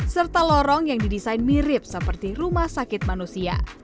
serta lorong yang didesain mirip seperti rumah sakit manusia